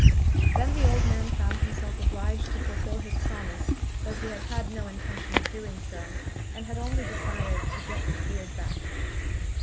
Then the old man found himself obliged to fulfil his promise, though he had had no intention of doing so, and had only desired to get his beard back.